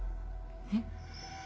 えっ？